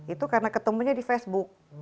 itu karena ketemunya di facebook